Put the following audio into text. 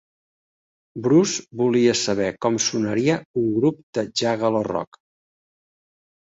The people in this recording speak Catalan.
Bruce volia saber com sonaria un grup de "juggalo rock".